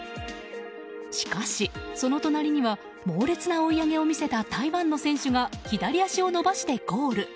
しかし、その隣には猛烈な追い上げを見せた台湾の選手が左足を伸ばしてゴール。